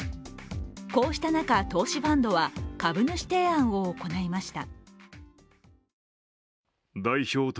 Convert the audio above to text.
こうした中、投資ファンドは株主提案を行いました。